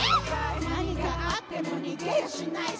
「何があっても逃げやしないさ」